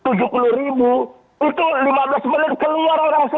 itu lima belas menit keluar orang orang semua